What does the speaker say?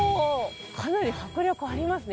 かなり迫力ありますね。